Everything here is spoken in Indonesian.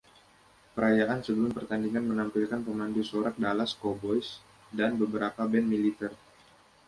Perayaan sebelum pertandingan menampilkan Pemandu Sorak Dallas Cowboys dan beberapa band militer.